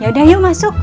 yaudah yuk masuk